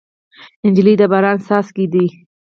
نجلۍ د باران څاڅکی ده.